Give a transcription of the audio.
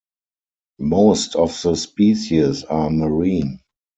Most of the species are marine.